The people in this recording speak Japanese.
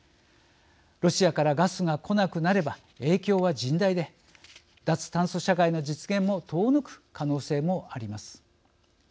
ロシアからガスがこなくなれば影響は甚大で脱炭素社会の実現も遠のく可能性もあります。